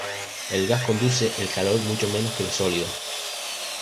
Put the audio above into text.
El gas conduce el calor mucho menos que los sólidos.